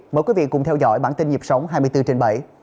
mời quý vị cùng theo dõi bản tin nhịp sống hai mươi bốn trên bảy